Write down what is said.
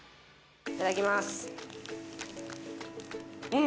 いただきます。